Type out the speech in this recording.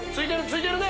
突いてるね。